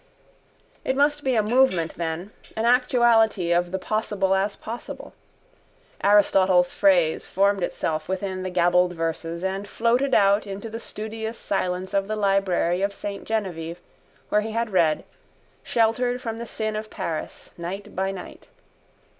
_ It must be a movement then, an actuality of the possible as possible. Aristotle's phrase formed itself within the gabbled verses and floated out into the studious silence of the library of Saint Genevieve where he had read, sheltered from the sin of Paris, night by night.